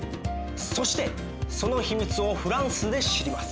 そしてその秘密をフランスで知ります。